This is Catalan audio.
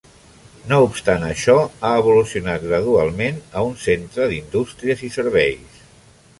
No obstant això, ha evolucionat gradualment a un centre d'indústries i serveis.